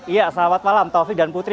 iya selamat malam taufik dan putri